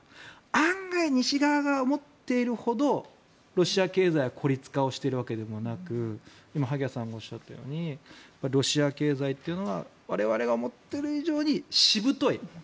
案外、西側が思っているほどロシア経済は孤立化をしているわけでもなく今、萩谷さんがおっしゃったようにロシア経済というのは我々が思ってる以上にしぶとい。